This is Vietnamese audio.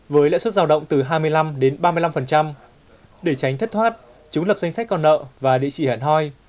với lãi suất giao động từ hai mươi năm đến ba mươi năm để tránh thất thoát chúng lập danh sách con nợ và địa chỉ hẹn hai